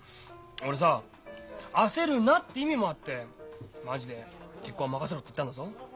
俺さ「焦るな」って意味もあってマジで「結婚は任せろ」って言ったんだぞ。